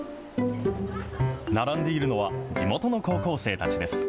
並んでいるのは地元の高校生たちです。